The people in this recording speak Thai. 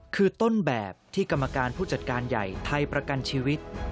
คือต้นแบบที่กรรมการผู้จัดการใหญ่ไทยประกันชีวิต